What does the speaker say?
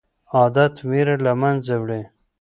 عادت ویره له منځه وړي.